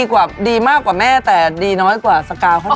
แค่ดีมากกว่าแม่แต่นิดหน้ากว่าสการเขาหน่อย